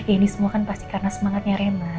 ini semua kan pasti karena semangatnya rena